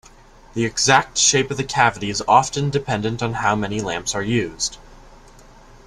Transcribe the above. The exact shape of the cavity is often dependent on how many lamps are used.